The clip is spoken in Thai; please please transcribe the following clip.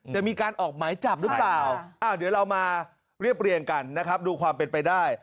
จะมีการออกหมายจับหรือเปล่าเดี๋ยวเรามาเรียบเรียงกันนะครับดูความเป็นไปได้